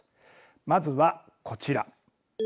まずはこちら。